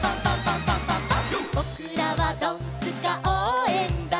「ぼくらはドンスカおうえんだん」